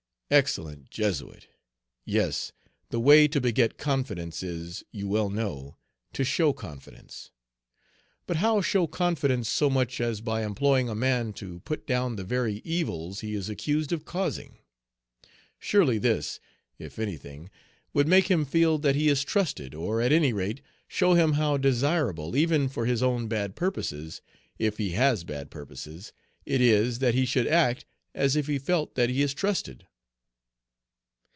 Excellent Jesuit! Yes, the way to beget confidence is, you well know, to show confidence. But how show confidence so much as by employing a man to put down the very evils he is accused of causing? Surely this, if anything, would make him feel that he is trusted, or at any rate show him how desirable, even for his own bad purposes, if he has bad purposes, it is that he should act as if he felt that he is trusted.